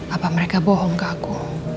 apa mereka bohong ke aku